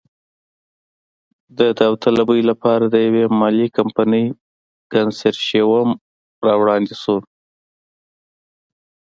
د داوطلبۍ لپاره د یوې مالي کمپنۍ کنسرشیوم را وړاندې شو.